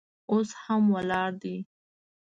اوس هم ولاړ دی.